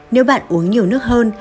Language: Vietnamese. nếu bạn uống nhiều nước hơn